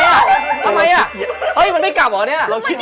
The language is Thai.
นี่มันไม่กลับเหรอเนี่ย